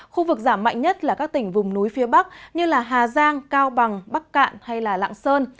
khu vực giảm mạnh nhất là các tỉnh vùng núi phía bắc như hà giang cao bằng bắc cạn hay lạng sơn